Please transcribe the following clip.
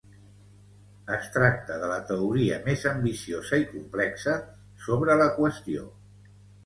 Es tracta de la teoria més ambiciosa i complexa sobre la qüestió.